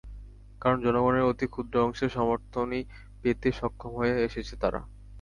কারণ, জনগণের অতি ক্ষুদ্র অংশের সমর্থনই পেতে সক্ষম হয়ে এসেছে তারা।